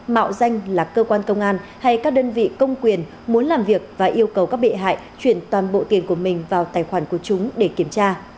mạo danh là cơ quan công an hay các đơn vị công quyền muốn làm việc và yêu cầu các bị hại chuyển toàn bộ tiền của mình vào tài khoản của chúng để kiểm tra